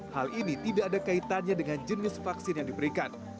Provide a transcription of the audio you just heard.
hal ini tidak ada kaitannya dengan jenis vaksin yang diberikan